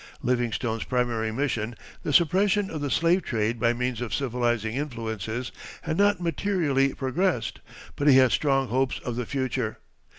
Livingstone's primary mission the suppression of the slave trade by means of civilizing influences had not materially progressed, but he had strong hopes of the future.